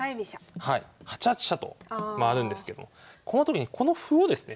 ８八飛車と回るんですけどもこのときにこの歩をですね